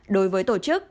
đối với tổ chức